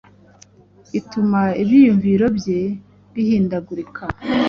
ituma ibyiyumviro bye bihindagurika